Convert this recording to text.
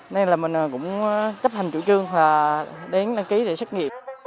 nên là mình cũng chấp hành chủ trương là đến đăng ký để xét nghiệm